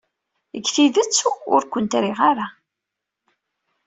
Deg tidet, ur kent-riɣ ara.